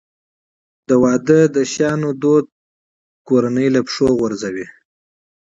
د جهیز دود کورنۍ له پښو غورځوي.